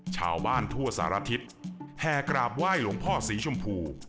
ชาวบ้านทั่วสารทิศแห่กราบไหว้หลวงพ่อสีชมพู